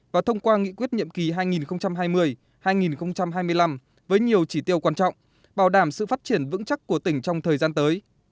và thông qua nghị quyết nhiệm kỳ hai nghìn hai mươi hai nghìn hai mươi năm với nhiều chỉ tiêu quan trọng bảo đảm sự phát triển vững chắc của tỉnh trong thời gian tới